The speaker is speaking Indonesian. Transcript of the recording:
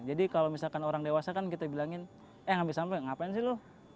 jadi kalau misalkan orang dewasa kan kita bilangin eh ngambil sampah ngapain sih lu